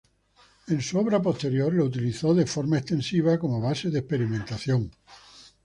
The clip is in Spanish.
En su obra posterior lo utilizó de forma extensiva como base de experimentación.